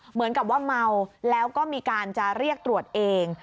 เหมือนกับว่าเมาแล้วก็มีการจะเรียกตรวจเอง